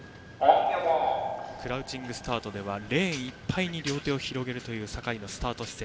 クラウチングスタートではレーンいっぱいに両手を広げるという坂井のスタート姿勢